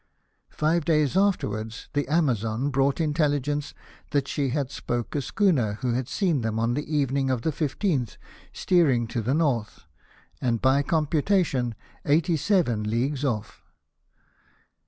Five days afterwards the Amazon brought intelligence that she had spoke a schooner who had seen them on the evening of the 15 th, steering to the N., and, by computation, eighty seven leagues off.